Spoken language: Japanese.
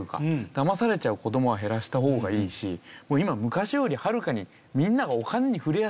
だまされちゃう子どもは減らした方がいいしもう今昔よりはるかにみんながお金に触れやすい。